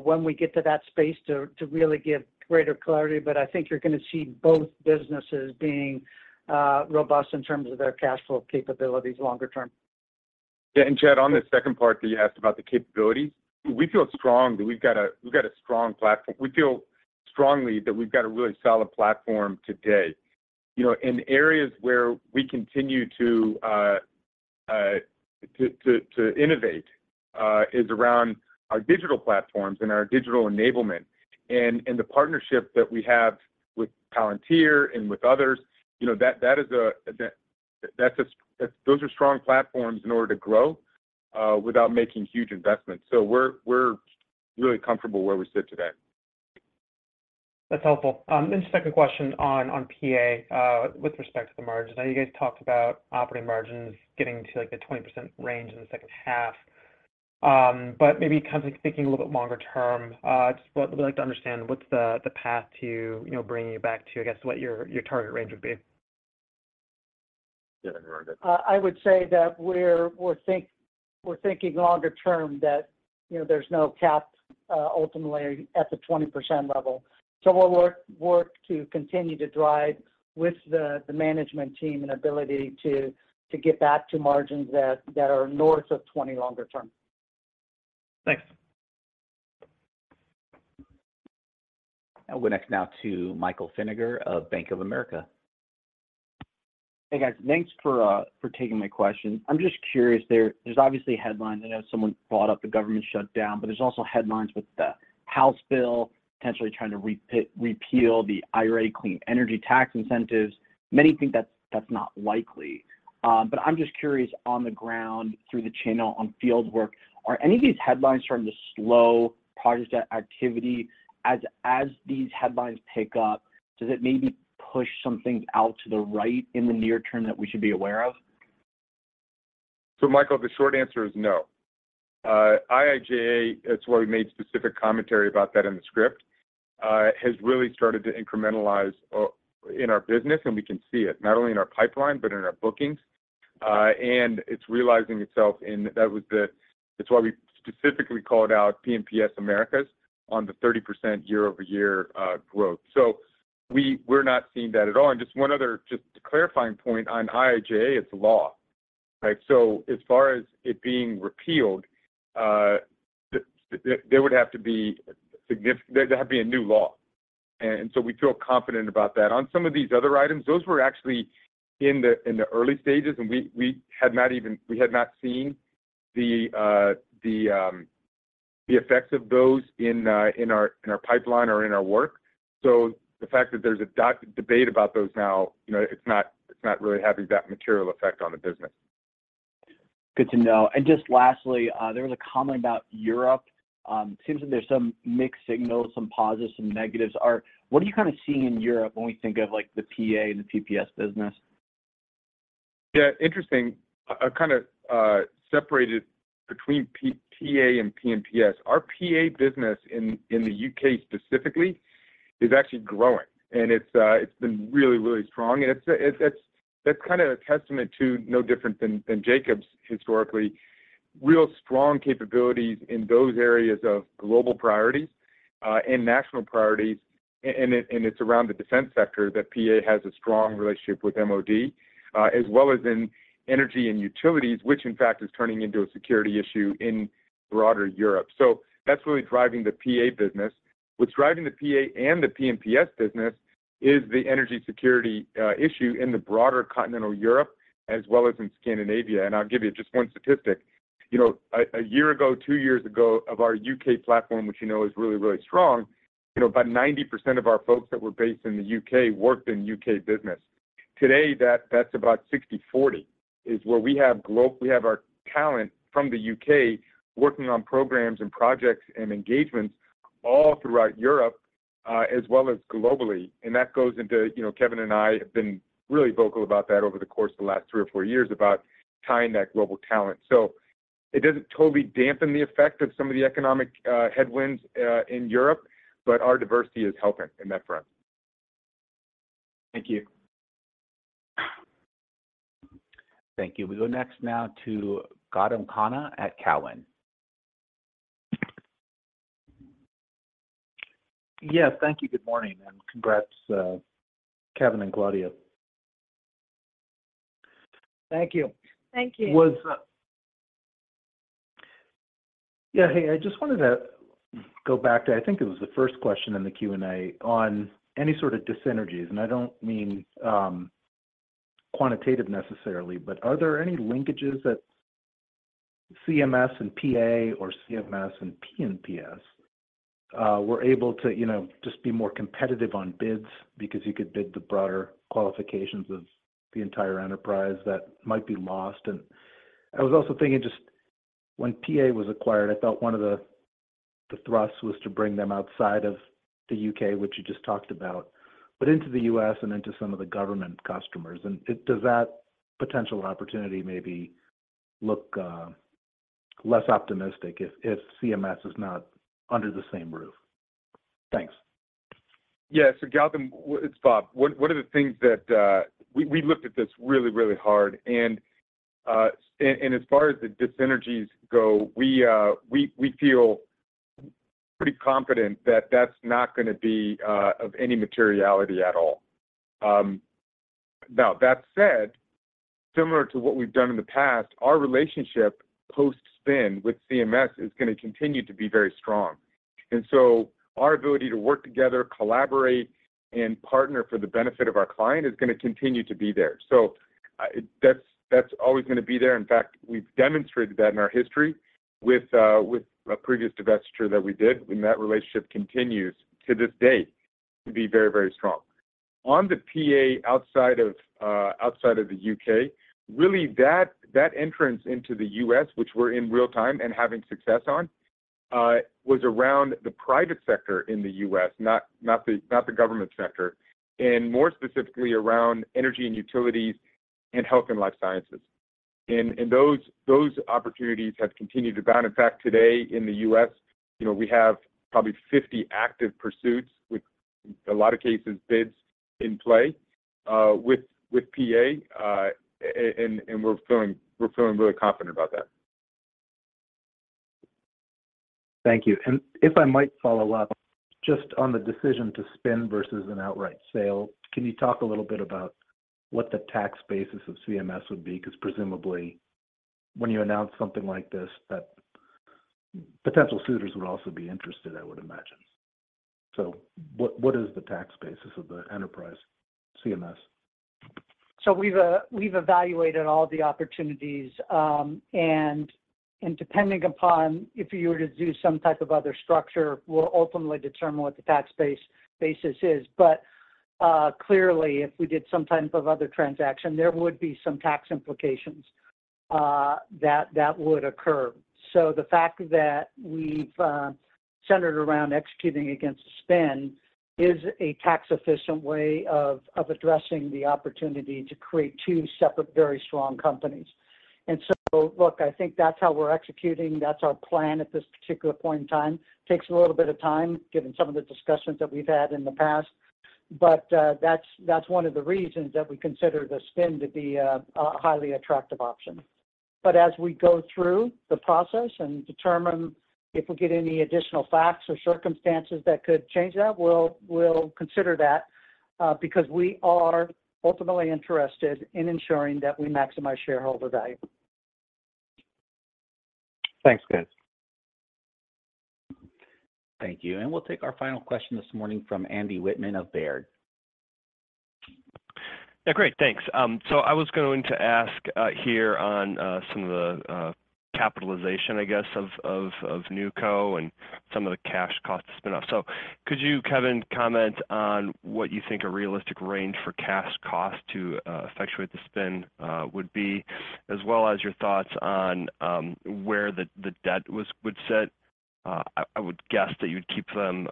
when we get to that space to really give greater clarity. I think you're gonna see both businesses being robust in terms of their cash flow capabilities longer term. Yeah. Chad, on the second part that you asked about the capabilities, we feel strong that we've got a strong platform. We feel strongly that we've got a really solid platform today. You know, in areas where we continue to innovate is around our digital platforms and our digital enablement and the partnership that we have with Palantir and with others. You know, those are strong platforms in order to grow without making huge investments. We're, we're really comfortable where we sit today. That's helpful. Second question on PA, with respect to the margins. I know you guys talked about operating margins getting to the 20% range in the second half. Maybe kind of thinking a little bit longer term, we'd like to understand what's the path to bringing it back to what your target range would be. Yeah. I mean. I would say that we're thinking longer term that, you know, there's no cap, ultimately at the 20% level. We'll work to continue to drive with the management team and ability to get back to margins that are north of 20 longer term. Thanks. I'll go next now to Michael Feniger of Bank of America. Hey, guys. Thanks for taking my question. I'm just curious there. There's obviously headlines, I know someone brought up the government shutdown, but there's also headlines with the House bill potentially trying to repeal the IRA clean energy tax incentives. Many think that's not likely. I'm just curious on the ground through the channel on field work, are any of these headlines starting to slow project activity as these headlines pick up? Does it maybe push some things out to the right in the near term that we should be aware of? Michael, the short answer is no. IIJA, that's why we made specific commentary about that in the script, has really started to incrementalize in our business, and we can see it not only in our pipeline but in our bookings. And it's realizing itself, it's why we specifically called out PNPS Americas on the 30% year-over-year growth. We're not seeing that at all. And just one other clarifying point on IIJA, it's a law, right? As far as it being repealed, there would have to be a new law. We feel confident about that. On some of these other items, those were actually in the early stages, and we had not seen the effects of those in our pipeline or in our work. The fact that there's a debate about those now, you know, it's not, it's not really having that material effect on the business. Good to know. Just lastly, there was a comment about Europe. Seems that there's some mixed signals, some positives, some negatives. What are you kind of seeing in Europe when we think of, like, the PA and the PPS business? Interesting, kind of separated between PA and PNPS. Our PA business in the U.K. specifically is actually growing, and it's been really strong, and that's kinda a testament to, no different than Jacobs historically, real strong capabilities in those areas of global priorities and national priorities. It's around the defense sector that PA has a strong relationship with MOD as well as in energy and utilities, which in fact is turning into a security issue in broader Europe. That's really driving the PA business. What's driving the PA and the PNPS business is the energy security issue in the broader continental Europe as well as in Scandinavia. I'll give you just one statistic. You know, a year ago, two years ago of our U.K. platform, which you know is really, really strong, you know, about 90% of our folks that were based in the U.K. worked in U.K. business. Today, that's about 60/40, is where we have our talent from the U.K. working on programs and projects and engagements all throughout Europe, as well as globally. That goes into, you know, Kevin and I have been really vocal about that over the course of the last three or four years about tying that global talent. It doesn't totally dampen the effect of some of the economic headwinds in Europe, but our diversity is helping in that front. Thank you. Thank you. We go next now to Gautam Khanna at Cowen. Yes. Thank you. Good morning, congrats, Kevin and Claudia. Thank you. Thank you. Yeah. Hey, I just wanted to go back to, I think it was the first question in the Q&A on any sort of dis-synergies. I don't mean quantitative necessarily, but are there any linkages that CMS and PA or CMS and PNPS were able to, you know, just be more competitive on bids because you could bid the broader qualifications of the entire enterprise that might be lost? I was also thinking just when PA was acquired, I thought one of the thrusts was to bring them outside of the U.K., which you just talked about, but into the U.S. and into some of the government customers. Does that potential opportunity maybe look less optimistic if CMS is not under the same roof? Thanks. Yeah. So Gautam, it's Bob. One of the things that we looked at this really, really hard and as far as the dis-synergies go, we feel pretty confident that that's not gonna be of any materiality at all. Now that said, similar to what we've done in the past, our relationship post-spin with CMS is gonna continue to be very strong. Our ability to work together, collaborate, and partner for the benefit of our client is gonna continue to be there. That's always gonna be there. In fact, we've demonstrated that in our history with a previous divestiture that we did, and that relationship continues to this date to be very, very strong. On the PA outside of, outside of the U.K., really that entrance into the U.S., which we're in real time and having success on, was around the private sector in the U.S., not the government sector, and more specifically around energy and utilities and health and life sciences. Those opportunities have continued to abound. In fact, today in the U.S., you know, we have probably 50 active pursuits with a lot of cases bids in play, with PA, and we're feeling really confident about that. Thank you. If I might follow up just on the decision to spin versus an outright sale, can you talk a little bit about what the tax basis of CMS would be? Because presumably when you announce something like this, that potential suitors would also be interested, I would imagine. What is the tax basis of the enterprise CMS? We've evaluated all the opportunities, depending upon if you were to do some type of other structure will ultimately determine what the tax basis is. Clearly, if we did some type of other transaction, there would be some tax implications that would occur. The fact that we've centered around executing against the spin is a tax-efficient way of addressing the opportunity to create two separate, very strong companies. Look, I think that's how we're executing, that's our plan at this particular point in time. Takes a little bit of time, given some of the discussions that we've had in the past, but that's one of the reasons that we consider the spin to be a highly attractive option. As we go through the process and determine if we get any additional facts or circumstances that could change that, we'll consider that, because we are ultimately interested in ensuring that we maximize shareholder value. Thanks, guys. Thank you. We'll take our final question this morning from Andy Wittmann of Baird. Yeah, great. Thanks. I was going to ask here on some of the capitalization, I guess, of NewCo and some of the cash costs spin off. Could you, Kevin, comment on what you think a realistic range for cash cost to effectuate the spin would be? As well as your thoughts on where the debt would sit. I would guess that you'd keep them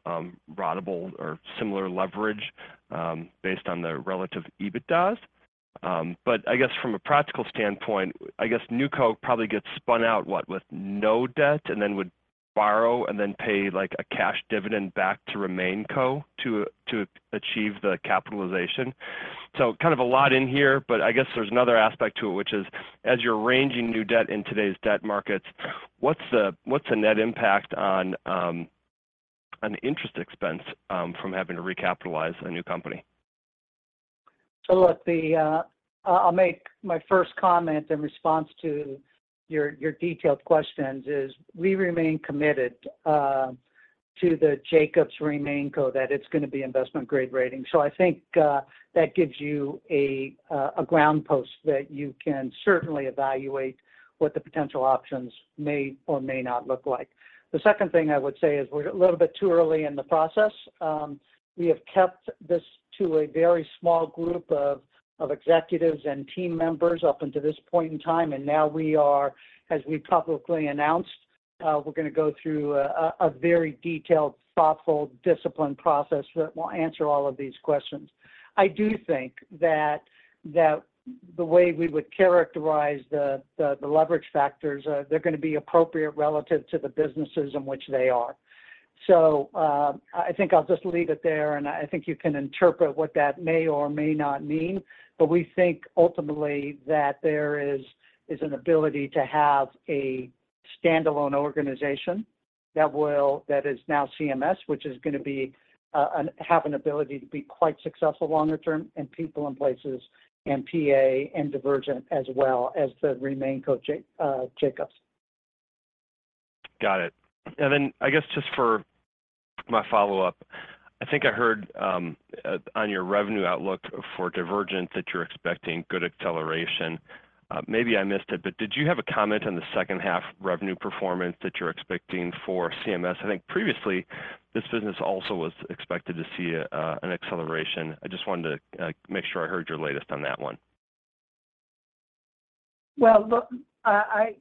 ratable or similar leverage based on the relative EBITDAs. I guess from a practical standpoint, I guess NewCo probably gets spun out with no debt and then would borrow and then pay like a cash dividend back to RemainCo to achieve the capitalization. kind of a lot in here, but I guess there's another aspect to it, which is, as you're arranging new debt in today's debt markets, what's the net impact on the interest expense from having to recapitalize a new company? Look, I'll make my first comment in response to your detailed questions is we remain committed to the Jacobs RemainCo that it's gonna be investment-grade rating. I think that gives you a ground post that you can certainly evaluate what the potential options may or may not look like. The second thing I would say is we're a little bit too early in the process. We have kept this to a very small group of executives and team members up until this point in time, and now we are, as we publicly announced, we're gonna go through a very detailed, thoughtful, disciplined process that will answer all of these questions. I do think that the way we would characterize the leverage factors, they're gonna be appropriate relative to the businesses in which they are. I think I'll just leave it there, and I think you can interpret what that may or may not mean. We think ultimately that there is an ability to have a standalone organization that is now CMS, which is gonna be an ability to be quite successful longer term in People & Places and PA and Divergent as well as the RemainCo Jacobs. Got it. I guess just for my follow-up, I think I heard on your revenue outlook for Divergent that you're expecting good acceleration. Maybe I missed it, but did you have a comment on the second half revenue performance that you're expecting for CMS? I think previously, this business also was expected to see an acceleration. I just wanted to make sure I heard your latest on that one. Well, look,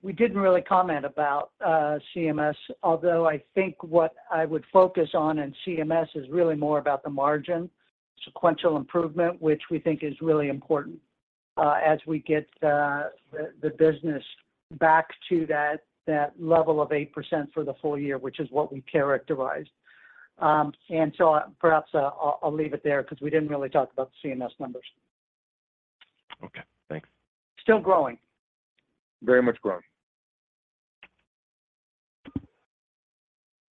we didn't really comment about CMS, although I think what I would focus on in CMS is really more about the margin sequential improvement, which we think is really important as we get the business back to that level of 8% for the full year, which is what we characterized. Perhaps I'll leave it there 'cause we didn't really talk about the CMS numbers. Okay. Thanks. Still growing. Very much growing.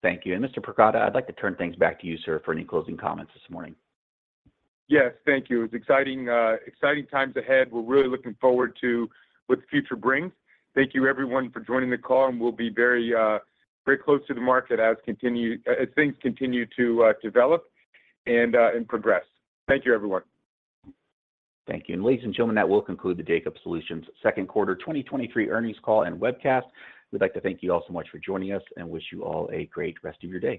Thank you. Mr. Pragada, I'd like to turn things back to you, sir, for any closing comments this morning. Yes. Thank you. It's exciting times ahead. We're really looking forward to what the future brings. Thank you everyone for joining the call. We'll be very, very close to the market as things continue to develop and progress. Thank you, everyone. Thank you. Ladies and gentlemen, that will conclude the Jacobs Solutions second quarter 2023 earnings call and webcast. We'd like to thank you all so much for joining us and wish you all a great rest of your day.